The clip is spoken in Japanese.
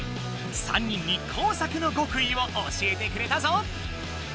３人に工作の極意を教えてくれたぞ！